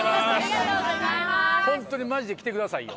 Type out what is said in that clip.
ホントにマジで着てくださいよ。